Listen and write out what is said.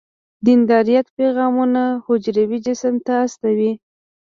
دندرایت پیغامونه حجروي جسم ته استوي.